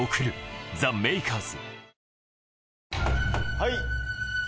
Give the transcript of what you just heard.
はい。